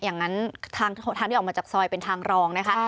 อย่างนั้นทางที่ออกมาจากซอยเป็นทางรองนะคะ